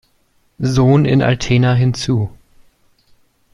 Sohn" in Altena hinzu.